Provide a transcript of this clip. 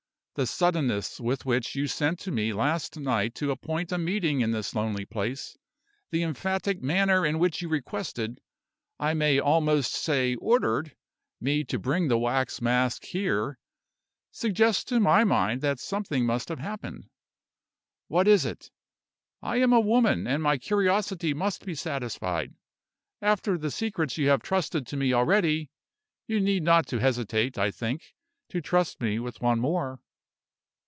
The suddenness with which you sent to me last night to appoint a meeting in this lonely place; the emphatic manner in which you requested I may almost say ordered me to bring the wax mask here, suggest to my mind that something must have happened. What is it? I am a woman, and my curiosity must be satisfied. After the secrets you have trusted to me already, you need not hesitate, I think, to trust me with one more."